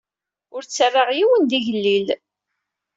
Ur ttarraɣ yiwen d igellil.